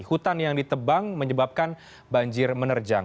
hutan yang ditebang menyebabkan banjir menerjang